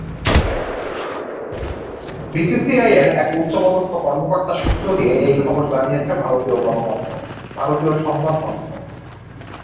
বিসিসিআইয়ের এক উচ্চপদস্থ কর্মকর্তার সূত্র দিয়ে এই খবর জানিয়েছে ভারতীয় সংবাদমাধ্যম।